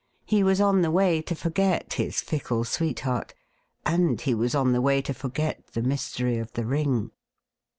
He was on the way In forget his. fickle sweetheart, and he was on the way to forget the mystery of the ring.